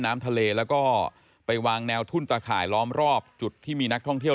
น้ำทะเลแล้วก็ไปวางแนวทุ่นตะข่ายล้อมรอบจุดที่มีนักท่องเที่ยว